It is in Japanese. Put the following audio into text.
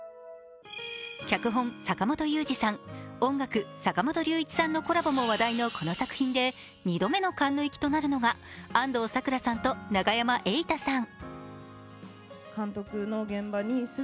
脚本・坂元裕二さん、音楽・坂本龍一さんのコラボも話題のこの作品で２度目のカンヌ行きとなるのが安藤サクラさんと永山瑛太さん。